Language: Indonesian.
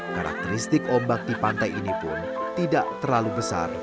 karakteristik ombak di pantai ini pun tidak terlalu besar